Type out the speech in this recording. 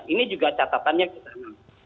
ini juga catatannya kita